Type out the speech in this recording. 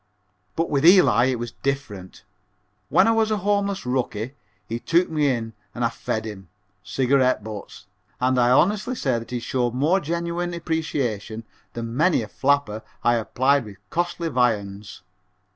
But with Eli it was different. When I was a homeless rookie he took me in and I fed him cigarette butts and I'll honestly say that he showed more genuine appreciation than many a flapper I have plied with costly viands.